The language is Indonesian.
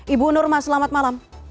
ibu nurma selamat malam